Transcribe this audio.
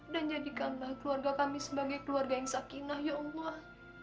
dan jadikanlah keluarga kami sebagai keluarga yang sakinah ya allah